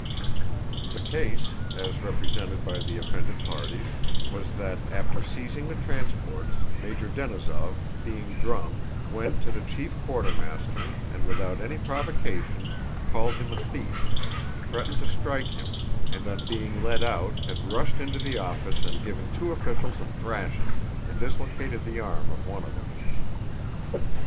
The case, as represented by the offended parties, was that, after seizing the transports, Major Denísov, being drunk, went to the chief quartermaster and without any provocation called him a thief, threatened to strike him, and on being led out had rushed into the office and given two officials a thrashing, and dislocated the arm of one of them.